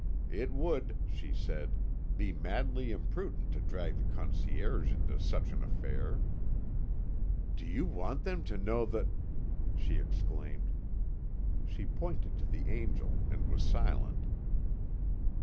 It would, she said, be madly imprudent to drag the concierge into such an affair. "Do you want them to know that ..." she exclaimed. She pointed to the Angel and was silent.